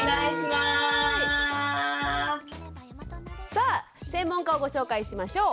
さあ専門家をご紹介しましょう。